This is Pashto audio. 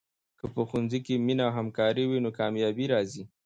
که په ښوونځي کې مینه او همکاري وي، نو کامیابي راځي.